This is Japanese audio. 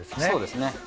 そうですね。